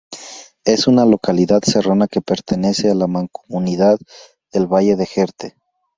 Es una localidad serrana que pertenece a la mancomunidad del Valle del Jerte.